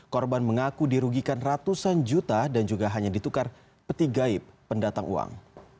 korban mengaku dirugikan ratusan juta dan juga hanya ditukar peti gaib pendatang uang